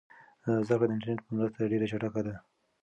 زده کړه د انټرنیټ په مرسته ډېره چټکه ده.